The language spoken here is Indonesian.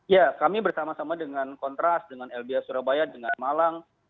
ya kami bersama sama dengan kontras dengan lbh surabaya dengan malang